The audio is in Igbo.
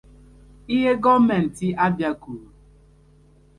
Ihe gọọmentị Abia kwuru